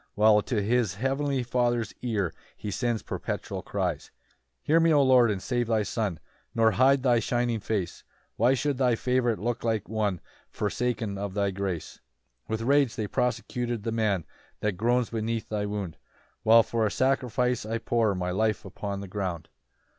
While to his heavenly Father's ear He sends perpetual cries. 3 "Hear me, O Lord, and save thy Son, "Nor hide thy shining face; "Why should thy favorite look like one "Forsaken of thy grace? 4 "With rage they persecute the man "That groans beneath thy wound, "While for a sacrifice I pour "My life upon the ground.